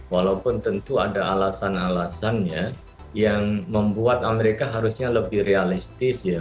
walaupun tentu ada alasan alasan ya yang membuat amerika harusnya lebih realistis ya